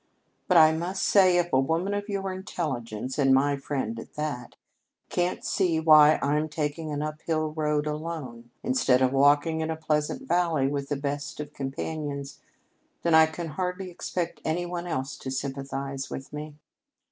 But I must say, if a woman of your intelligence and my friend at that can't see why I'm taking an uphill road, alone, instead of walking in a pleasant valley with the best of companions, then I can hardly expect any one else to sympathize with me.